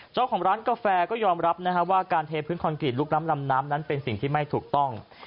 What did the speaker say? เจ้าของร้านกาแฟก็ยอมรับนะฮะว่าการเทพื้นคอนกรีตลูกน้ำลำน้ำนั้นเป็นสิ่งที่ไม่ถูกต้อง